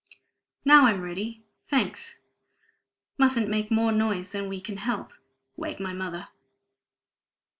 Now I'm ready thanks! Mustn't make more noise than we can help wake my mother."